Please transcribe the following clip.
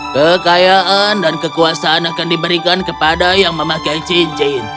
kekayaan dan kekuasaan akan diberikan kepada yang memakai cincin